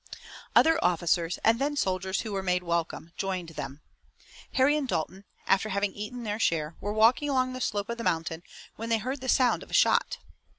Other officers, and then soldiers who were made welcome, joined them. Harry and Dalton, after having eaten their share, were walking along the slope of the mountain, when they heard the sound of a shot.